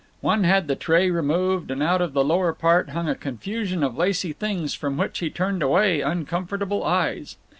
One had the tray removed, and out of the lower part hung a confusion of lacey things from which he turned away uncomfortable eyes.